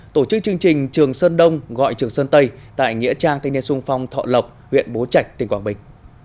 tổ chức chương trình trường sơn đông gọi trường sơn tây tại nghĩa trang thanh niên sung phong thọ lộc huyện bố trạch tỉnh quảng bình